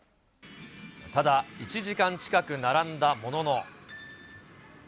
ただ、１時間近く並んだものの。